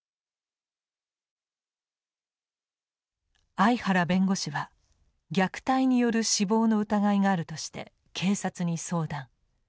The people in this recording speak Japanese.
相原弁護士は虐待による死亡の疑いがあるとして警察に相談。